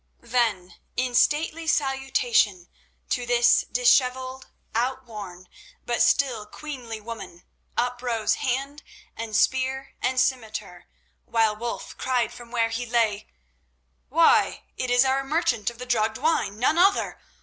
Then in stately salutation to this dishevelled, outworn, but still queenly woman, uprose hand, and spear, and scimitar, while Wulf cried from where he lay: "Why, it is our merchant of the drugged wine—none other!